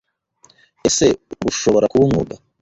Ese rushobora kuba umwuga?